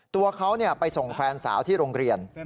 ตัวเขาไปส่งแฟนสาวที่โรงเรียน